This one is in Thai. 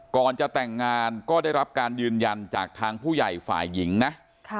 ก่อนจะแต่งงานก็ได้รับการยืนยันจากทางผู้ใหญ่ฝ่ายหญิงนะ